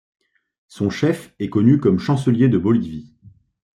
Son chef est connu comme chancelier de Bolivie.